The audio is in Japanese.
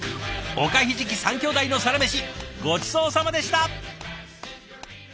おかひじき３兄弟のサラメシごちそうさまでした！